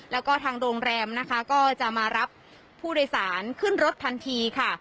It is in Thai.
แล้วก็ทางโรงแรมนะคะก็จะมารับผู้โดยสารขึ้นรถทันทีค่ะ